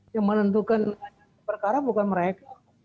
yang menentukan perkara bukan mereka